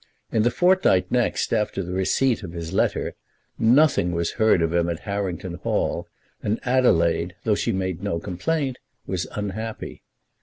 In the fortnight next after the receipt of his letter nothing was heard of him at Harrington Hall, and Adelaide, though she made no complaint, was unhappy.